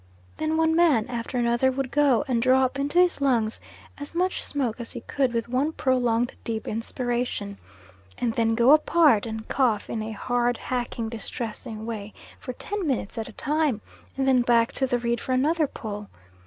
Then one man after another would go and draw up into his lungs as much smoke as he could with one prolonged deep inspiration; and then go apart and cough in a hard, hacking distressing way for ten minutes at a time, and then back to the reed for another pull.